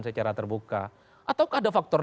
secara terbuka atau ada faktor